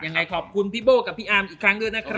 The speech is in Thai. ยังไงขอบคุณพี่โบ้กับพี่อาร์มอีกครั้งด้วยนะครับ